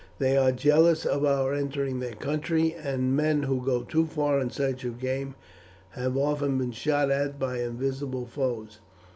They are jealous of our entering their country, and men who go too far in search of game have often been shot at by invisible foes.